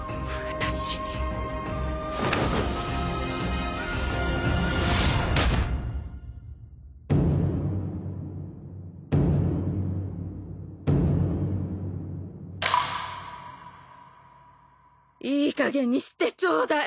三津）いいかげんにしてちょうだい。